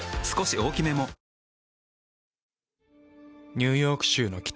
ニューヨーク州の北。